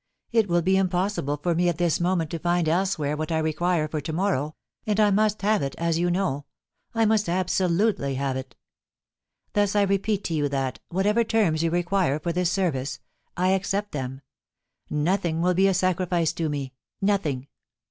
It will be impossible for me at this moment to find elsewhere what I require for to morrow, and I must have it, as you know, I must absolutely have it. Thus I repeat to you that, whatever terms you require for this service, I accept them; nothing will be a sacrifice to me, nothing."